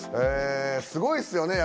すごいですよね。